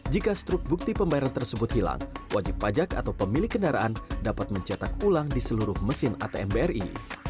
jika struk bukti pembayaran tersebut hilang wajib pajak atau pemilik kendaraan dapat mencetak ulang di seluruh mesin atm bri